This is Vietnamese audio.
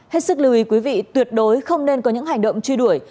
hết sức lưu ý quý vị tuyệt đối không nên có những hành động truy đuổi